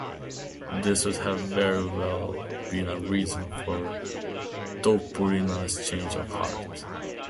This would have very well been a reason for Toypurina's change of heart.